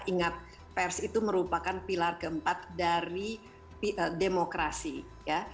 ingat pers itu merupakan pilar keempat dari demokrasi ya